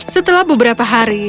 setelah beberapa hari